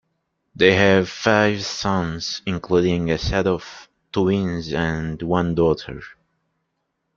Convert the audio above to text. They have five sons, including a set of twins, and one daughter.